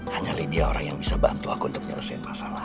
hanya lydia orang yang bisa bantu aku untuk nyelesain masalah